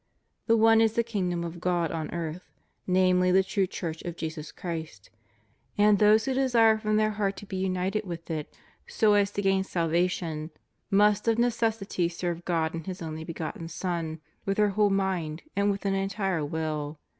The one is the kingdom of God on earth, namely, the true Church of Jesus Christ; and those who desire from their heart to be united with it, so as to gain salvation, must of necessity serve God and His only begotten Son with their whole mind and with an entire will.